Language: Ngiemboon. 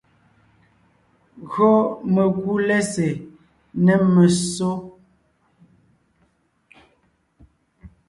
Gÿo mekú lɛ́sè nê messó,